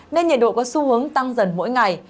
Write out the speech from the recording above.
nên nhiệt độ có xu hướng tăng dần mỗi ngày